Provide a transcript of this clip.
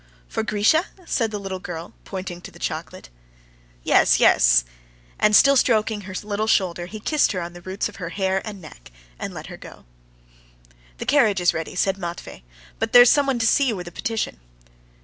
"For Grisha?" said the little girl, pointing to the chocolate. "Yes, yes." And still stroking her little shoulder, he kissed her on the roots of her hair and neck, and let her go. "The carriage is ready," said Matvey; "but there's someone to see you with a petition."